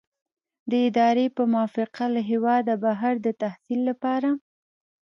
د ادارې په موافقه له هیواده بهر د تحصیل لپاره.